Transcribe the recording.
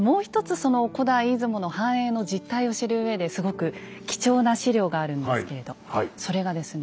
その古代出雲の繁栄の実態を知るうえですごく貴重な史料があるんですけれどそれがですね